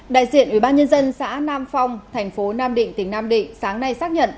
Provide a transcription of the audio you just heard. đại diện ủy ban nhân dân xã nam phong thành phố nam định tỉnh nam định sáng nay xác nhận